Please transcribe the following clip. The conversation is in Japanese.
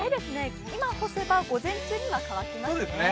今干せば、午前中には乾きますね。